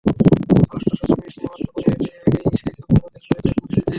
পররাষ্ট্রসচিবের ইসলামাবাদ সফরের ঠিক আগে সেই সফর বাতিল করে দেন মোদি নিজেই।